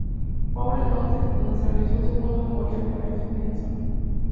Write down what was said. Paul en Londres, donde se realizó un segundo memorial para Jim Henson.